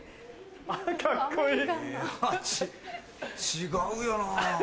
違うよな。